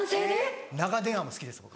長電話も好きです僕。